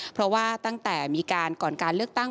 เพราะว่าตั้งแต่มีการก่อนการเลือกตั้ง